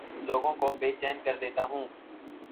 لوگوں کو بے چین کر دیتا ہوں